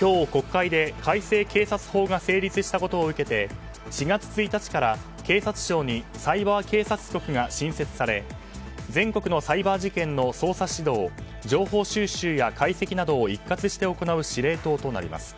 今日、国会で改正警察法が成立したことを受けて４月１日から警察庁にサイバー警察局が新設され全国のサイバー事件の捜査指導情報収集や解析などを一括して行う司令塔となります。